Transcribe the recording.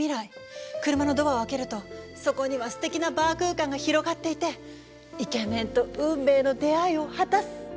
車のドアを開けるとそこにはすてきなバー空間が広がっていてイケメンと運命の出会いを果たす！